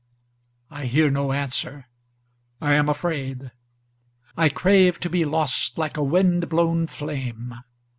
I hear no answer. I am afraid!I crave to be lost like a wind blown flame.